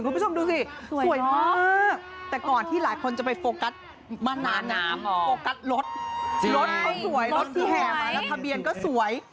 คุณผู้ชมดูสิสวยมากแต่ก่อนที่หลายคนจะไปโฟกัสมาหนาน้ำโฟกัสรถรถเขาสวยรถที่แห่มาแล้วทะเบียนก็สวย